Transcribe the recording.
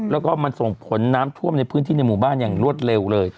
แล้วก็มันส่งผลน้ำท่วมในพื้นที่ในหมู่บ้านอย่างรวดเร็วเลย